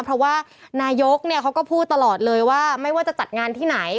เพราะว่านายกเขาก็พูดตลอดเลยว่าไม่ว่าจะจัดงานที่ไหน